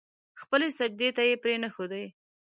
خپلې سجدې ته يې پرې نه ښودې.